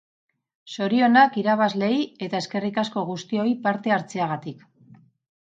Zorionak irabazleei eta eskerrik asko guztioi parte hartzeagatik!